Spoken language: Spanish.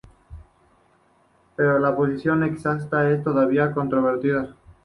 Pero la posición exacta es todavía controvertida.